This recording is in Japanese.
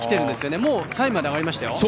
もう、３位まで上がりましたよ。